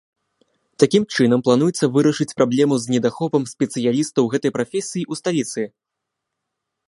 Такім чынам плануецца вырашыць праблему з недахопам спецыялістаў гэтай прафесіі ў сталіцы.